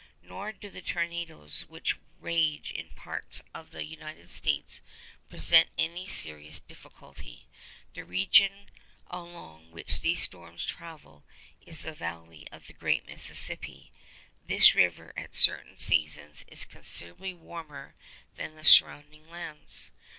Nor do the tornadoes which rage in parts of the United States present any serious difficulty. The region along which these storms travel is the valley of the great Mississippi. This river at certain seasons is considerably warmer than the surrounding lands.